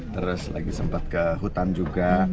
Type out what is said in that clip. terus lagi sempat ke hutan juga